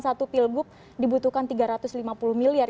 satu pilgub dibutuhkan tiga ratus lima puluh miliar